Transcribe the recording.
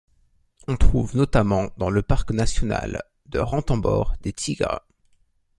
On trouve notamment dans le Parc national de Ranthambore des tigres.